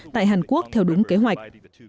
tại hàn quốc theo đúng kế hoạch